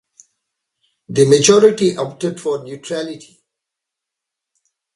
The majority opted for neutrality.